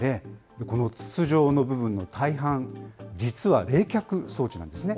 この筒状の部分の大半、実は冷却装置なんですね。